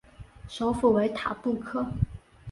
首府为塔布克。